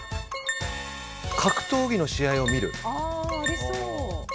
格闘技の試合を見る！